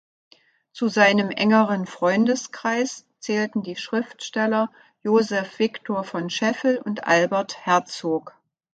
Zu seinem engeren Freundeskreis zählten die Schriftsteller Joseph Victor von Scheffel und Albert Herzog.